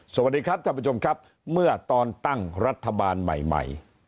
สวัสดีครับท่านผู้ชมครับเมื่อตอนตั้งรัฐบาลใหม่ใหม่